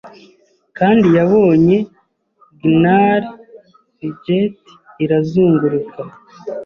Kandi yabonye gnarls fidget irazunguruka